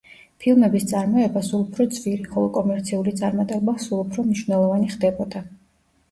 ფილმების წარმოება სულ უფრო ძვირი, ხოლო კომერციული წარმატება სულ უფრო მნიშვნელოვანი ხდებოდა.